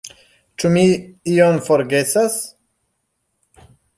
Ĉu mi ion forgesas?